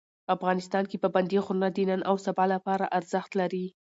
افغانستان کې پابندي غرونه د نن او سبا لپاره ارزښت لري.